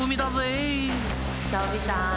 チョビさん！